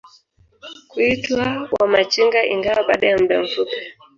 kuitwa Wamachinga ingawa baada ya muda mfupi